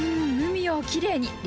うん海をきれいに。